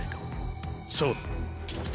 そうだ。